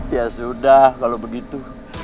ya sudah kalau begitu